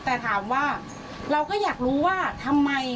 แต่ถามว่าเราก็อยากรู้ว่าทำไม